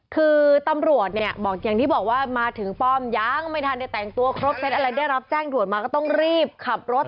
คือตำรวจเนี่ยบอกอย่างที่บอกว่ามาถึงป้อมยังไม่ทันได้แต่งตัวครบเซ็ตอะไรได้รับแจ้งด่วนมาก็ต้องรีบขับรถ